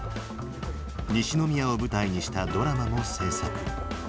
西宮を舞台にしたドラマも制作。